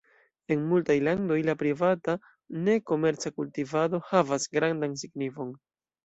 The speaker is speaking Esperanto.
En multaj landoj la privata, ne komerca kultivado havas grandan signifon.